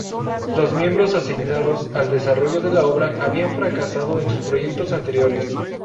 Los miembros asignados al desarrollo de la obra habían fracasado en sus proyectos anteriores.